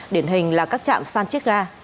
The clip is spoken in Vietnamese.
điển hình là các trạm san chiết ga